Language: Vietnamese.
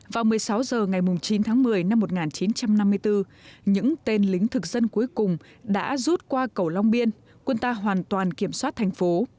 vào một mươi sáu h ngày chín tháng một mươi năm một nghìn chín trăm năm mươi bốn những tên lính thực dân cuối cùng đã rút qua cầu long biên quân ta hoàn toàn kiểm soát thành phố